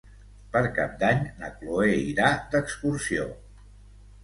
Per Cap d'Any na Cloè irà d'excursió.